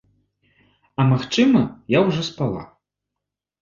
А магчыма, я ўжо спала.